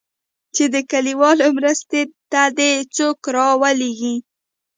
چې د کليوالو مرستې ته دې څوک راولېږي.